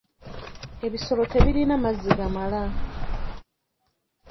Ebisolo tebirina mazzi gamala.